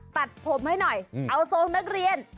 ตัดผมให้หน่อยเอาทรงนักเรียน